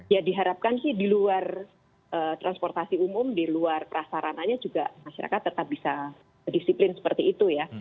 ya diharapkan sih di luar transportasi umum di luar prasarananya juga masyarakat tetap bisa disiplin seperti itu ya